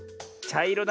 ちゃいろ？